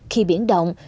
khi biển động